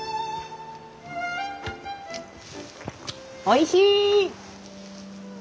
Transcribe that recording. おいしい！